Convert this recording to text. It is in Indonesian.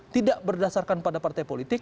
tidak berdasarkan pada partai politik